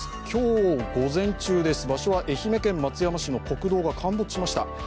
今日午前中、場所は愛媛県松山市の国道が陥没しました。